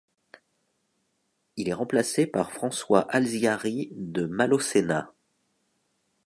Il est remplacé par François Alziary de Malausséna.